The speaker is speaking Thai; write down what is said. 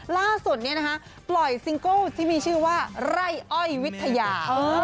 ล่าสุดนี้นะคะปล่อยซิงเกิลที่มีชื่อว่าไร่อ้อยวิทยา